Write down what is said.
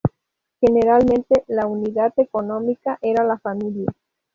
Generalmente la unidad económica era la familia.